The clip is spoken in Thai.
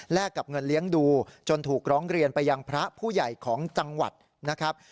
กับเงินเลี้ยงดูจนถูกร้องเรียนไปยังพระผู้ใหญ่ของจังหวัดนะครับ